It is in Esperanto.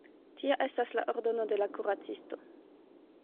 Tia estas la ordono de la kuracisto.